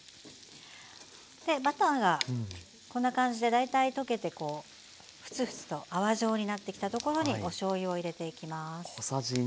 でバターがこんな感じで大体溶けてこうフツフツと泡状になってきたところにおしょうゆを入れていきます。